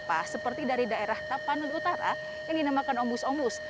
kue putu ini dikenal dari daerah tapan dan utara yang dinamakan ombus ombus